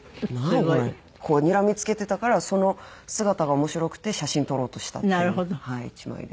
すごい。にらみ付けてたからその姿が面白くて写真撮ろうとしたっていう１枚です。